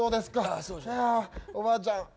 おばあちゃん